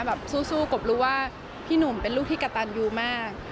แบบสู้กบรู้ว่าพี่หนุ่มเป็นลูกที่กระตันยูมาก